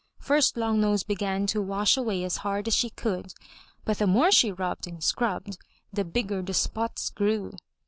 First Long nose began to wash away as hard as she could, but the more she rubbed and scrubbed the bigger the spots grew.